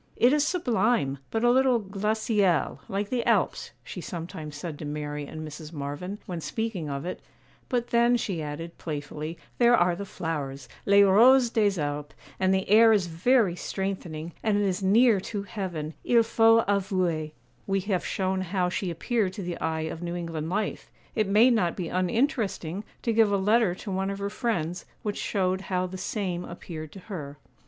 'It is sublime, but a little "glaciale," like the Alps,' she sometimes said to Mary and Mrs. Marvyn, when speaking of it; 'but then,' she added, playfully, 'there are the flowers—les roses des Alpes; and the air is very strengthening, and it is near to heaven—il faut avouer.' We have shown how she appeared to the eye of New England life; it may not be uninteresting to give a letter to one of her friends, which showed how the same appeared to her.